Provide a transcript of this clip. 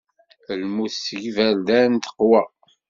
Lmut deg yiberdan teqwa.